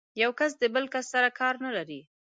يو کس د بل کس سره کار نه لري.